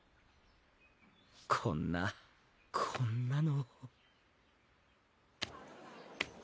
こんなこんなの。